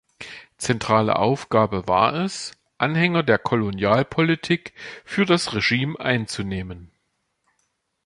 Zentrale Aufgabe war es, Anhänger der Kolonialpolitik für das Regime einzunehmen.